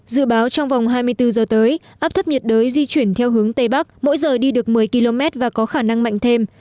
dự báo trong vòng hai mươi bốn giờ tới áp thấp nhiệt đới di chuyển theo hướng tây bắc mỗi giờ đi được một mươi km và có khả năng mạnh thêm